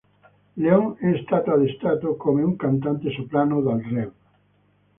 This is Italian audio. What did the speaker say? Leon è stato addestrato come un cantante soprano dal Rev.